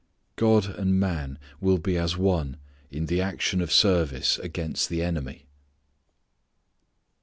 God and man will be as one in the action of service against the enemy.